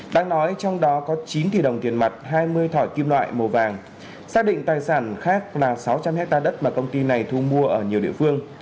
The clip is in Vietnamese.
đáng nói trong đó có chín tỷ đồng tiền mặt hai mươi thỏi kim loại màu vàng xác định tài sản khác là sáu trăm linh hectare đất mà công ty này thu mua ở nhiều địa phương